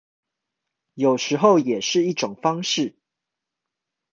有時候也是一種方式